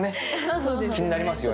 気になりますよね。